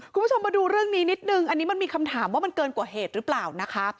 คุณผู้ชมมาดูเรื่องนี้นิดนึงอันนี้มันมีคำถามว่ามันเกินกว่าเหตุหรือเปล่านะคะ